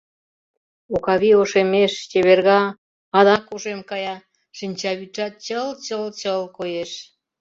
Окавий ошемеш, чеверга, адак ошем кая, шинчавӱдшат чыл-чыл-чыл коеш.